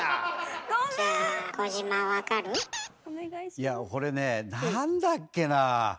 いやこれね何だっけなあ。